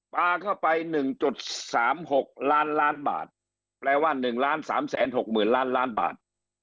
ปลาเข้าไป๑๓๖ล้านล้านบาทแปลว่า๑๓๖๐๐๐ล้านล้านบาท